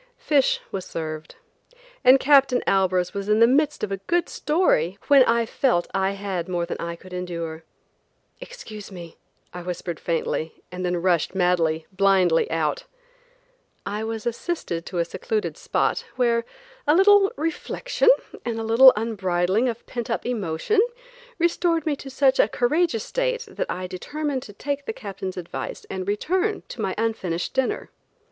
Fish was served, and Captain Albers was in the midst of a good story when I felt I had more than I could endure. "Excuse me," I whispered faintly, and then rushed, madly, blindly out. I was assisted to a secluded spot where a little reflection and a little unbridling of pent up emotion restored me to such a courageous state that I determined to take the Captain's advice and return to my unfinished dinner.